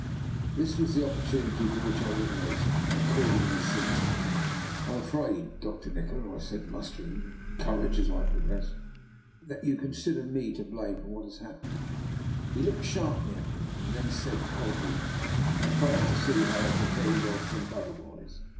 This was the opportunity for which I was waiting; I accordingly seized it. DR. NIKOLA'S EXPERIMENT. 2OI " I am afraid, Dr. Nikola/' I said, muster ing courage as I progressed, " that you con sider me to blame for what has happened." He looked sharply at me, and then said coldly: " I fail to see how I could very well think otherwise.